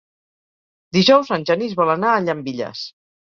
Dijous en Genís vol anar a Llambilles.